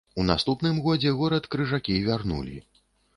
У наступным годзе горад крыжакі вярнулі.